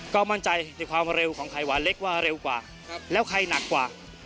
ก็มั่นใจในความเร็วของไข่หวานเล็กว่าเร็วกว่าแล้วใครหนักกว่า